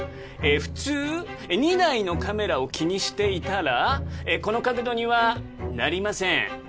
普通２台のカメラを気にしていたらこの角度にはなりません